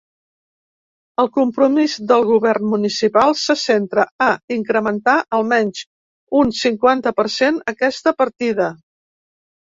El compromís del govern municipal se centra a incrementar almenys un cinquanta per cent aquesta partida.